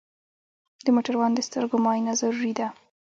د موټروان د سترګو معاینه ضروري ده.